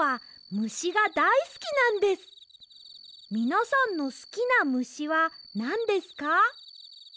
みなさんのすきなむしはなんですか？